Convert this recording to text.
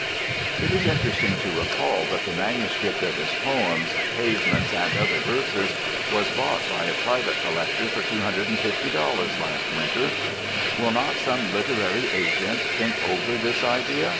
It is interesting to recall that the MS. of his poems "Pavements, and Other Verses" was bought by a private collector for $250 last winter. Will not some literary agent think over this idea?